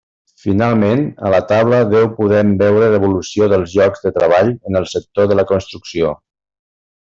Finalment, a la taula deu podem veure l'evolució dels llocs de treball en el sector de la construcció.